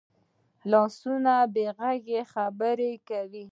لاسونه بې غږه خبرې کوي